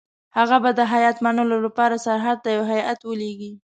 هغه به د هیات منلو لپاره سرحد ته یو هیات ولېږي.